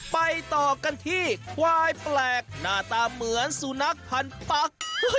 ไปต่อกันที่ควายแปลกหน้าตาเหมือนสุนัขพันปัก